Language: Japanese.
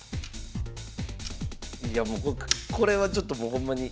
いやもうこれはちょっともうほんまに。